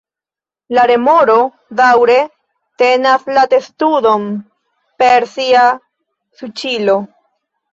La remoro daŭre tenas la testudon per sia suĉilo.